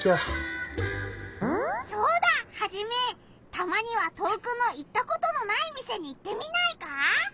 たまには遠くの行ったことのない店に行ってみないか？